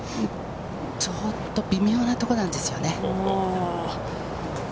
ちょっと微妙なところなんですよね。